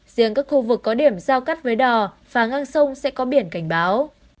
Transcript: riêng các khu vực có điểm giao cắt với đò và ngang sông sẽ có biển cảnh báo